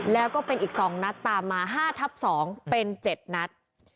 แล้วก็เป็นอีกสองนัดตามมาห้าทับสองเป็นเจ็ดนัด